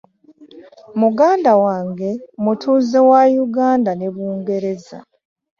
Muganda wange mutuuze wa Uganda ne Bungereza.